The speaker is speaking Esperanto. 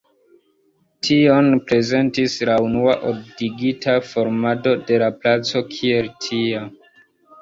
Tion prezentis la unua ordigita formado de la placo kiel tia.